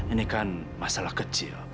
ini kan masalah kecil